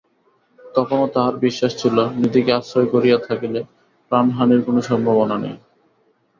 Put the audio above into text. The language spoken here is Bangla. তখনো তাঁহার বিশ্বাস ছিল নিধিকে আশ্রয় করিয়া থাকিলে প্রাণহানির কোনো সম্ভাবনা নাই।